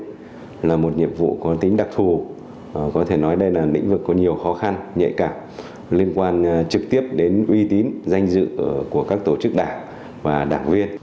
công an nhân dân nói riêng là một nhiệm vụ có tính đặc thù có thể nói đây là lĩnh vực có nhiều khó khăn nhạy cảm liên quan trực tiếp đến uy tín danh dự của các tổ chức đảng và đảng viên